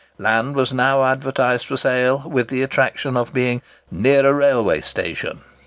Land was now advertised for sale, with the attraction of being "near a railway station."